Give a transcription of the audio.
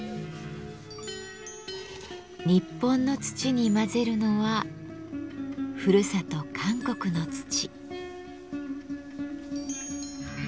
日本の土に混ぜるのはふるさと韓国の土。